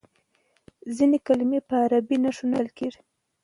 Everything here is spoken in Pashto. ځینې کلمې په عربي نښو نه لیکل کیږي.